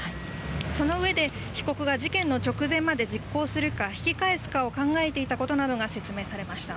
そのうえで被告が事件の直前まで実行するか引き返すかを考えていたことなどが説明されました。